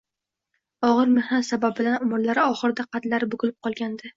og‘ir mehnat sababidan umrlari oxirida qadlari bukilib qolgandi.